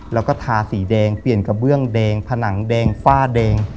แล้วก็ทาสีแดงเปลี่ยนกระเบื้องแดงผนังแดงฝ้าแดง